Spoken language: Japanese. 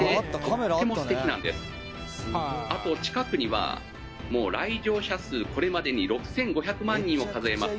「あと近くにはもう来場者数これまでに６５００万人を数えます